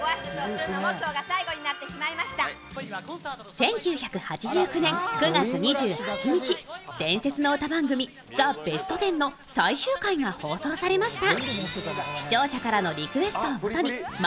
１９８９年９月２８日、伝説の歌番組「ザ・ベストワン」最終回が放送されました。